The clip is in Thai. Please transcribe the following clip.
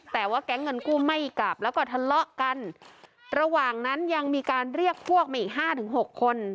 แต่ว่าแก๊งเงินกู้ไม่กลับแล้วก็ทะเลาะกันระหว่างนั้นยังมีการเรียกพวกมาอีกห้าถึงหกคน